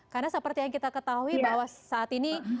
karena seperti yang kita ketahui bahwa saat ini